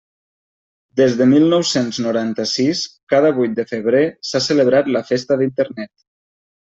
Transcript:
Des de mil nou-cents noranta-sis, cada vuit de febrer, s'ha celebrat la Festa d'Internet.